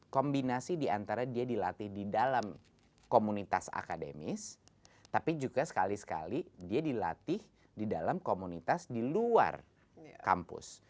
kombinasi diantara dia dilatih di dalam komunitas akademis tapi juga sekali sekali dia dilatih di dalam komunitas di luar kampus